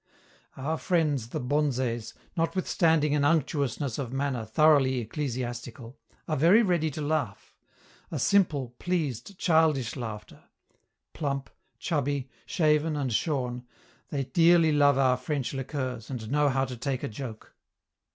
Our friends the bonzes, notwithstanding an unctuousness of manner thoroughly ecclesiastical, are very ready to laugh a simple, pleased, childish laughter; plump, chubby, shaven and shorn, they dearly love our French liqueurs and know how to take a joke.